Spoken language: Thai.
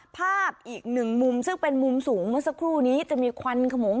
ภาพอีกหนึ่งมุมซึ่งเป็นมุมสูงเมื่อสักครู่นี้จะมีควันขมง